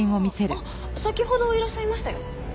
あっ先ほどいらっしゃいましたよ。